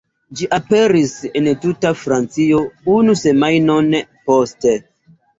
Ĝi aperis en tuta Francio unu semajnon poste.